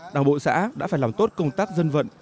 đảng bộ xã đã phải làm tốt công tác dân vận